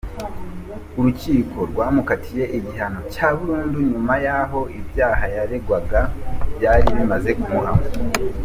Urukiko rwamukatiye igihano cya burundu nyuma y’aho ibyaha yaregwaga byari bimaze kumuhama.